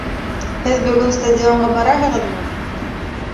Һеҙ бөгөн стадионға бараһығыҙмы?